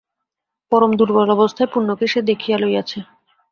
পরম দুর্বল অবস্থায় পূর্ণকে সে দেখিয়া লইয়াছে।